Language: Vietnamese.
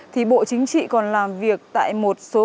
thì bộ chính trị còn làm việc tại một số